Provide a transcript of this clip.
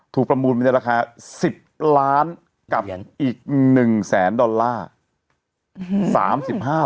ประมูลไปในราคา๑๐ล้านกับอีก๑แสนดอลลาร์